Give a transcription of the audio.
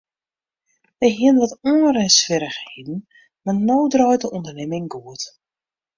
Wy hiene wat oanrinswierrichheden mar no draait de ûndernimming goed.